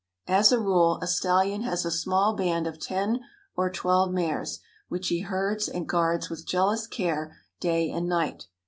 As a rule, a stallion has a small band of ten or twelve mares, which he herds and guards with jealous care day and night.